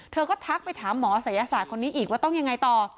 เธอก็ทักไปถามหมอศัยศาสตร์คนนี้อีกว่าต้องยังไงต่อ